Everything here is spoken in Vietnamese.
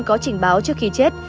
có trình báo trước khi chết